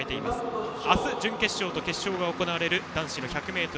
明日、準決勝と決勝が行われる男子の１００ｍ。